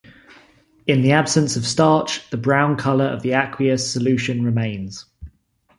In the absence of starch, the brown colour of the aqueous solution remains.